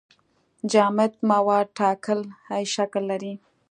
جامد مواد ټاکلی شکل لري.